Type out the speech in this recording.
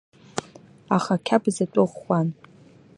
Аха ақьабз атәы ӷәӷәан.